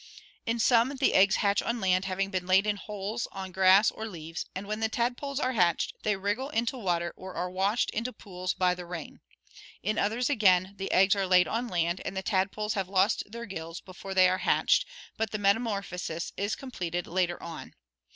"In some the eggs hatch on land, having been laid in holes, on grass or leaves, and when the tadpoles are hatched, they wriggle into water or are washed into pools by the rain. In others, again, the eggs are laid on land, and the tadpoles have lost their gills before they are hatched, but the metamorphosis is completed later on.